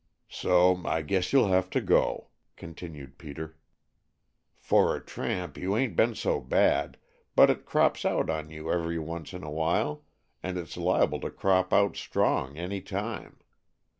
"So I guess you'll have to go," continued Peter. "For a tramp you ain't been so bad, but it crops out on you every once in awhile, and it's liable to crop out strong any time.